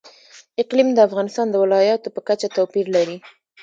اقلیم د افغانستان د ولایاتو په کچه توپیر لري.